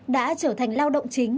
đã trở thành lao động chính